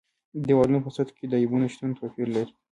د دېوالونو په سطحو کې د عیبونو شتون توپیر لري.